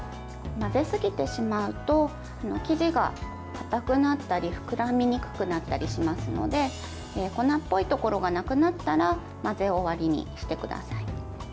混ぜすぎてしまうと生地がかたくなったり膨らみにくくなったりしますので粉っぽいところがなくなったら混ぜ終わりにしてください。